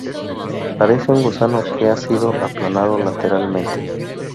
Parece un gusano que ha sido aplanado lateralmente.